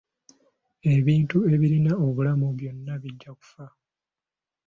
Ebintu ebirina obulamu byonna bijja kufa.